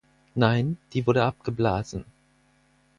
Nein, die wurde abgeblasen.